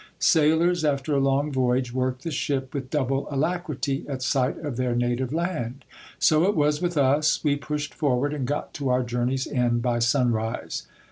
Sailors after a long voyage work the ship with double alacrity at sight of their native land. So it was with us, we pushed forward and got to our journey's end by sunrise.